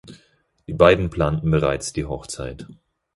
Die beiden planten bereits die Hochzeit.